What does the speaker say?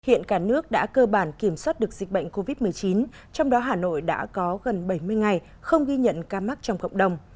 hiện cả nước đã cơ bản kiểm soát được dịch bệnh covid một mươi chín trong đó hà nội đã có gần bảy mươi ngày không ghi nhận ca mắc trong cộng đồng